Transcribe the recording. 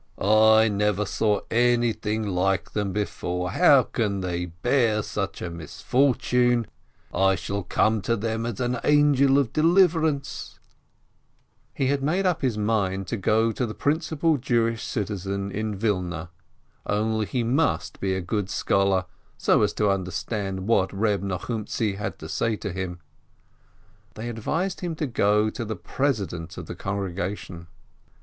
"I never saw anything like them before ! How can they bear such a misfortune ? I shall come to them as an angel of deliverance !" 24 BRAUDES He had made up his mind to go to the principal Jewish citizen in Wilna, only he must be a good scholar, BO as to understand what Reb Nochumtzi had to say to him. They advised him to go to the president of the Congregation.